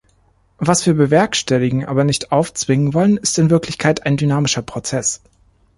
Was wir bewerkstelligen, aber nicht aufzwingen wollen, ist in Wirklichkeit ein dynamischer Prozess.